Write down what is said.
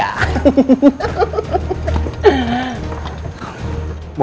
tumpul saja itu urusan muda